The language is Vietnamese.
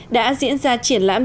đã diễn ra triển lãm giao nhận